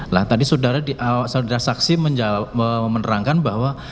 lah tadi saudara di awal saudara saksi menerangkan bahwa